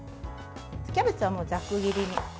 キャベツはざく切りに。